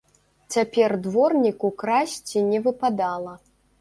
Цяпер дворніку красці не выпадала.